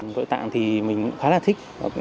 nội tạng thì mình cũng khá là thích